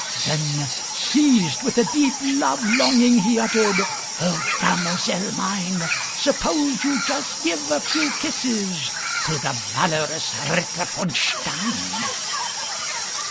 Then, seized with a deep love longing, He uttered, "O damosel mine, Suppose you just give a few kisses To the valorous Ritter von Stein!"